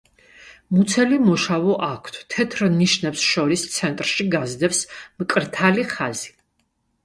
მუცელი მოშავო აქვთ, თეთრ ნიშნებს შორის ცენტრში გასდევს მკრთალი ხაზი.